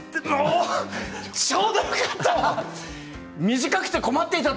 ちょうどよかった！